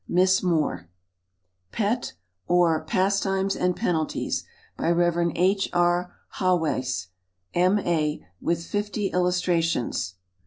Miss Moore. Pet; or, Pastimes and Penalties. By Rev. H. R. HAWEIS, M.A. With 50 Illustrations.